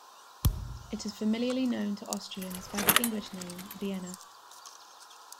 It is familiarly known to Austrians by the English name "Vienna".